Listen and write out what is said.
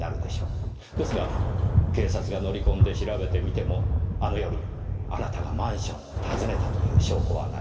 ですが警察が乗り込んで調べてみてもあの夜あなたがマンションを訪ねたという証拠はない。